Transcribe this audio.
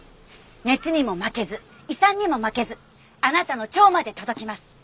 熱にも負けず胃酸にも負けずあなたの腸まで届きます。